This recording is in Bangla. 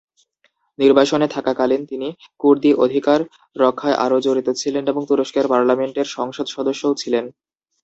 নির্বাসনে থাকাকালীন তিনি কুর্দি অধিকার রক্ষায় আরও জড়িত ছিলেন এবং তুরস্কের পার্লামেন্টের সংসদ সদস্য ও ছিলেন।